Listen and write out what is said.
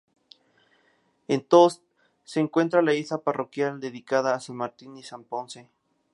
En Tost se encuentra la iglesia parroquial dedicada a san Martín y san Ponce.